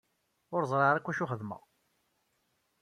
Ur ẓriɣ ara akk acu xeddmeɣ.